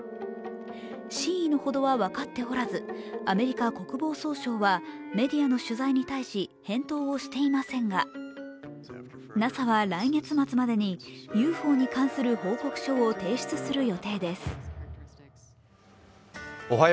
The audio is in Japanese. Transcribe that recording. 真偽のほとんどは分かって折らずアメリカ国防総省はメディアの取材に対し、返答はしていませんがＮＡＳＡは来月末までにＵＦＯに関する報告書を提出する予定です。